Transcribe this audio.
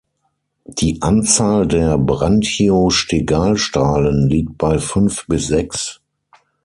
Die Anzahl der Branchiostegalstrahlen liegt bei fünf bis sechs.